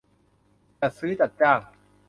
จัดซื้อจัดจ้าง